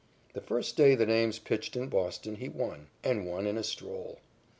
The first day that Ames pitched in Boston he won, and won in a stroll.